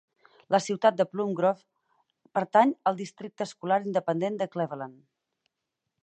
La ciutat de Plum Grove pertany al districte escolar independent de Cleveland.